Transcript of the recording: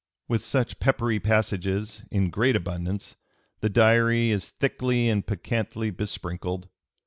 With such peppery passages in great abundance the Diary is thickly and piquantly besprinkled.